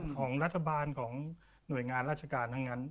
ของรัฐบาลกาล๑๙๘๐ของหน่วยงานราชกาลแม่ง